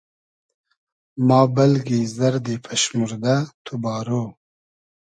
ما بئلگی زئردی پئشموردۂ , تو بارۉ